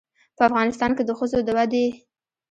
په افغانستان کې د ښځو د ودې